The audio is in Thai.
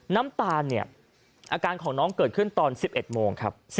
น้ำตาลเนี่ยอาการของน้องเกิดขึ้นตอน๑๑โมงครับ